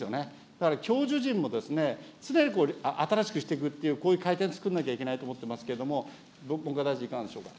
だから教授陣もですね、常に新しくしていくという、こういう回転つくらなきゃいけないと思いますけれども、文科大臣、いかがでしょうか。